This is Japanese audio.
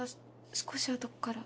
少しあとから。